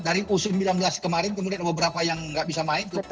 dari u sembilan belas kemarin kemudian ada beberapa yang nggak bisa main